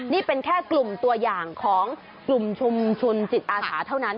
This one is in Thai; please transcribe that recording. นี่เป็นแค่กลุ่มตัวอย่างของกลุ่มชุมชนจิตอาสาเท่านั้น